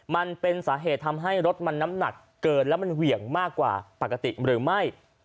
มันเป็นสาเหตุทำให้รถมันน้ำหนักเกินและมันเหวี่ยงมากกว่าปกติหรือไม่